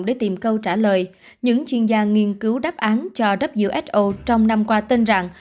để tìm câu trả lời những chuyên gia nghiên cứu đáp án cho who trong năm qua tin rằng